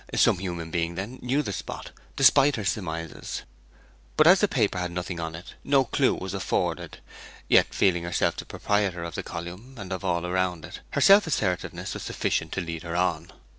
Some human being, then, knew the spot, despite her surmises. But as the paper had nothing on it no clue was afforded; yet feeling herself the proprietor of the column and of all around it her self assertiveness was sufficient to lead her on.